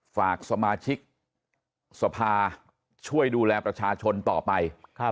ฝากสมาชิกสภาช่วยดูแลประชาชนต่อไป